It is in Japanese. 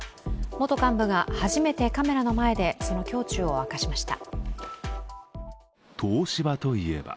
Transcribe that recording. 元幹部が初めてカメラの前でその胸中を明かしました。